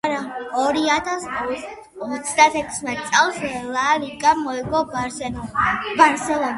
ორიათას ოცდაექვს წელს ლა ლიგა მოიგო ბარსელონამ.